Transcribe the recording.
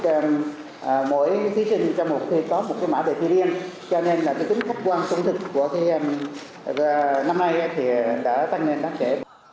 cho nên tính khắc quan sống thực của năm nay đã tăng lên rất chế